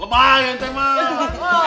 lebayang teh mah